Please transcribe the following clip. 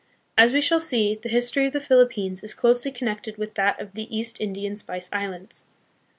As we shall see, the history of the Philippines is closely connected with that of the East Indian Spice Islands.